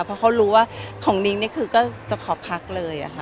เพราะเขารู้ว่าของนิ้งนี่คือก็จะขอพักเลยค่ะ